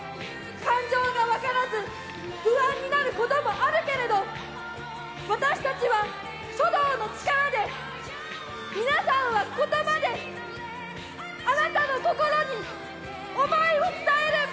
感情が分からず不安になることもあるけれど、私たちは書道の力で、皆さんはことばで、あなたの心に想いを伝える。